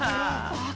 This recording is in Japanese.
あっ！